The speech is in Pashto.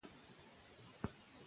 یو بل پټ کړئ.